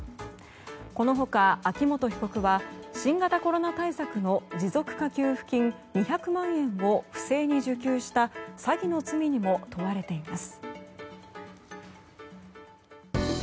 この他、秋本被告は新型コロナ対策の持続化給付金２００万円を不正に受給した詐欺の罪にも問われています。